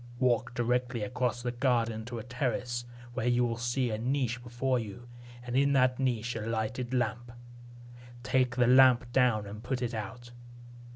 Walk directly across the garden to a terrace, where you will see a niche before you, and in that niche a lighted lamp. Take the lamp down and put it out.